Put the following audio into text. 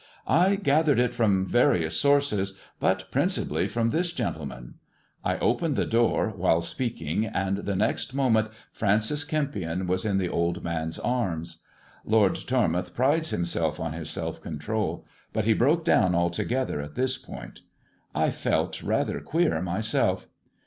"I gathered it from various sources, but principally from this gentleman." I opened the door while speaking, and the next moment Francis Kempion was in the old man's arms. Lord Tormouth prides himself on his self control, but he broke down altogether at this point. I felt rather queer myself.